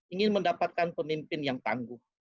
ingin mendapatkan pemimpin yang tangguh